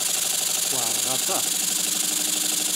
Weɛṛeɣ aṭas.